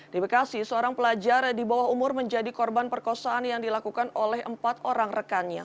di bekasi seorang pelajar di bawah umur menjadi korban perkosaan yang dilakukan oleh empat orang rekannya